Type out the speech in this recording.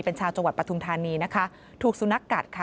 เป็นชาวจังหวัดปทุมธานีนะคะถูกสุนัขกัดค่ะ